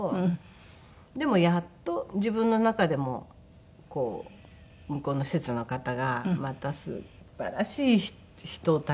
でもやっと自分の中でも向こうの施設の方がまたすばらしい人たちばかりで。